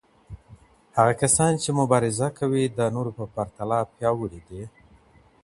هغه کسان چي مبارزه کوي د نورو په پرتله پیاوړي دي.